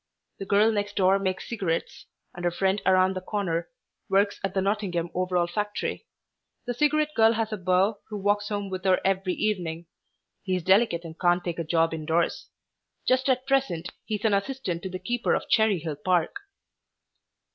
The girl next door makes cigarettes, and her friend around the corner works at the Nottingham Overall factory. The cigarette girl has a beau who walks home with her every evening. He's delicate and can't take a job indoors. Just at present he's an assistant to the keeper of Cherry Hill Park."